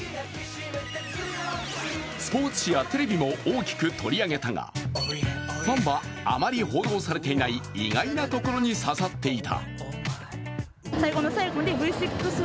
スポーツ紙やテレビも大きく取り上げたが、ファンはあまり報道されていない意外なところに刺さっていた。